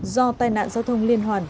do tai nạn giao thông liên hoàn